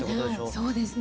そうですね。